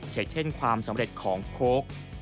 เช่นความสำเร็จของโค้ก